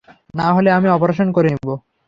না হলে আমি অপারেশন করে নিব।